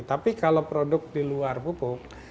tapi kalau produk di luar pupuk